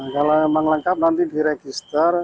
kalau memang lengkap nanti diregister